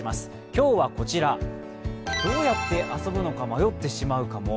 今日はこちら、どうやって遊ぶのか迷ってしまうかも。